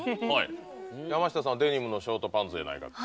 山下さん、デニムのショートパンツじゃないかと。